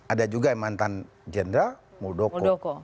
ada juga yang mantan jenderal muldoko